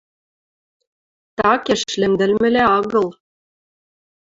Такеш лӹмдӹлмӹлӓ агыл...